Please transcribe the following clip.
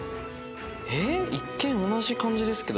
一見同じ感じですけど。